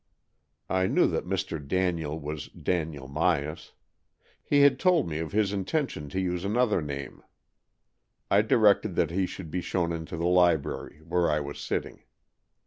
I knew that Mr. Daniel was Daniel Myas. He had told me of his intention to use another name. I directed that he should be shown into the library where I was sitting.